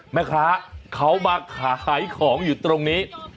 แม่ค้าเขามาขายของอยู่ตรงนี้